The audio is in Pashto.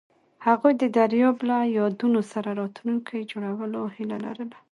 هغوی د دریاب له یادونو سره راتلونکی جوړولو هیله لرله.